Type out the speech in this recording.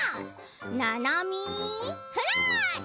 「ななみフラッシュ！」。